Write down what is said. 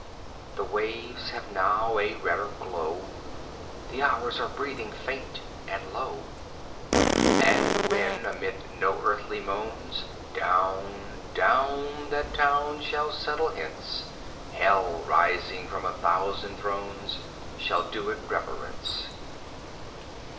The waves have now a redder glow, The hours are breathing faint and low; And when, amid no earthly moans, 50 Down, down that town shall settle hence, Hell, rising from a thousand thrones, Shall do it reverence.